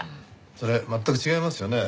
それ全く違いますよねえ。